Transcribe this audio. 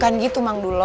bukan gitu bang dulo